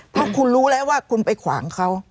เพราะคุณรู้แล้วว่าคุณไปขวางเขา